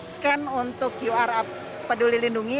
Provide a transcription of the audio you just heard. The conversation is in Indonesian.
scan untuk qr peduli lindungi